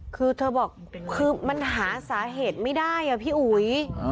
คือเธอบอกคือมันหาสาเหตุไม่ได้อะพี่อุ๋ย